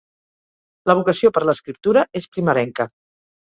La vocació per l'escriptura és primerenca.